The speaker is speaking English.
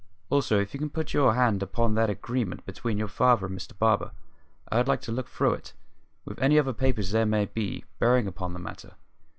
Also, if you can put your hand upon that agreement between your father and Mr Barber, I should like to look through it with any other papers there may be, bearing upon the matter.